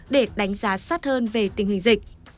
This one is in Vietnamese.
để đánh giá sát hơn về tình hình dịch